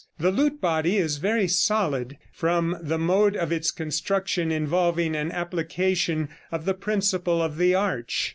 The lute body is very solid, from the mode of its construction involving an application of the principle of the arch.